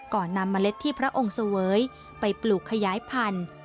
นำเมล็ดที่พระองค์เสวยไปปลูกขยายพันธุ์